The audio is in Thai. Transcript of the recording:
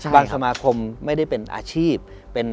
สมาคมไม่ได้เป็นอาชีพ